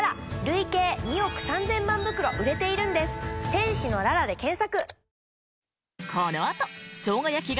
「天使のララ」で検索！